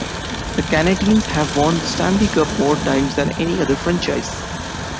The Canadiens have won the Stanley Cup more times than any other franchise.